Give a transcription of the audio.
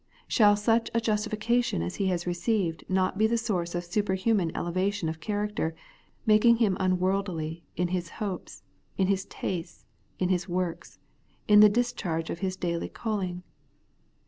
Shall such a justification as he has received not be the source of superhuman elevation of character, making him unworldly in his hopes, in his tastes, in his works, in the discharge of his daily calling